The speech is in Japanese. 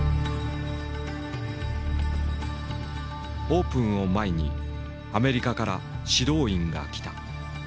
オープンを前にアメリカから指導員が来た。